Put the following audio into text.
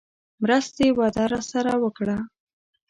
مرستې وعده راسره وکړه.